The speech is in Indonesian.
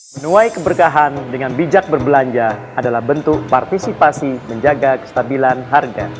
menuai keberkahan dengan bijak berbelanja adalah bentuk partisipasi menjaga kestabilan harga